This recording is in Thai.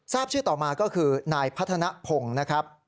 ทราบชื่อต่อมาก็คือนายพัฒนะพงษ์